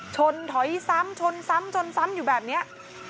ถอยซ้ำชนซ้ำชนซ้ำอยู่แบบนี้